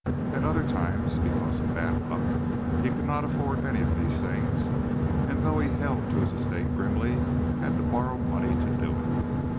At other times, because of bad luck, he could not afford any of these things and though he held to his estate grimly had to borrow money to do it.